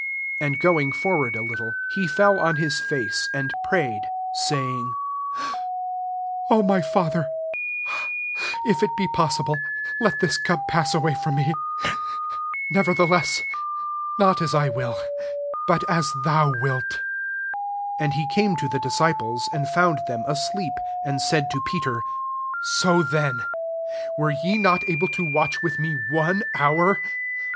39 And going forward a little, he fell on his £Ace, and prayed, saying, <'0 my Father, if it be possible, let this cup pass away from me i nevertheless not as I will, but as thou vfiitJ^ 40 And he came to the disciples and found them asleep ; and said to Peter, <^ Sp then^ were ye not able to watch with me one hour?